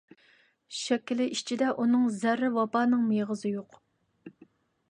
شاكىلى ئىچىدە ئۇنىڭ زەررە ۋاپانىڭ مېغىزى يوق.